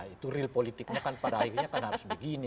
itu real politiknya kan pada akhirnya kan harus begini